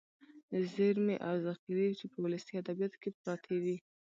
ذېرمې او ذخيرې چې په ولسي ادبياتو کې پراتې دي.